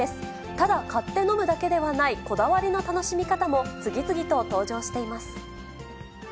ただ、買って飲むだけではない、こだわりの楽しみ方も次々と登場しています。